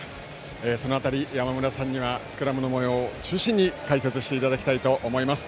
山村さんにはスクラムのもようを中心に解説していただきたいと思います。